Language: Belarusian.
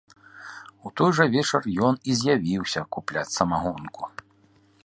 У той жа вечар ён і з'явіўся купляць самагонку.